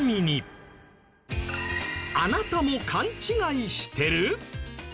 あなたも勘違いしてる！？